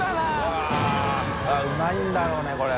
Δ錙舛叩うまいんだろうねこれ。